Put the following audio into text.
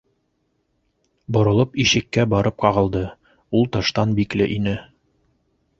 Боролоп ишеккә барып ҡағылды, ул тыштан бикле ине.